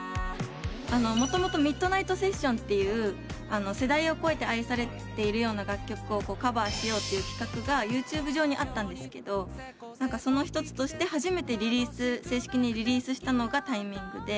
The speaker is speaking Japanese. もともとＭＩＤＮＩＧＨＴＳＥＳＳＩＯＮという世代を超えて愛されているような楽曲をカバーしようって企画がＹｏｕＴｕｂｅ上にあったんですけどその一つとして初めて正式にリリースしたのが『タイミングＴｉｍｉｎｇ』で。